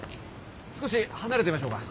少し離れてましょうか。